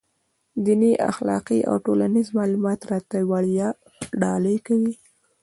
دیني، اخلاقي او ټولنیز معلومات راته وړيا ډالۍ کوي.